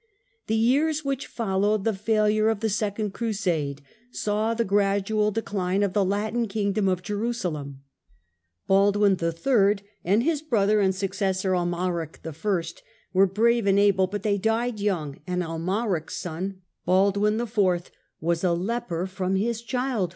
The years which followed the failure of the Second The Latin Crusade saw the gradual decline of the Latin kingdom of o/jeru "^ Jerusalem. Baldwin III. and his brother and successor ^^^^^. Amalric I. were brave and able, but they died young, and m., Amalric's son, Baldwin IV., was a leper from his child